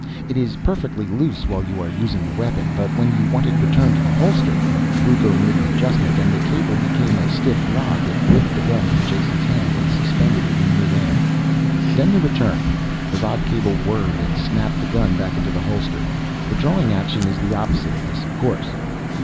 "It is perfectly loose while you are using the weapon. But when you want it returned to the holster " Brucco made an adjustment and the cable became a stiff rod that whipped the gun from Jason's hand and suspended it in midair. "Then the return." The rod cable whirred and snapped the gun back into the holster. "The drawing action is the opposite of this, of course."